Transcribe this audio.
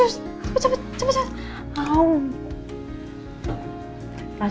rasanya pasti beda kalau makan sendiri sambil disuapin mas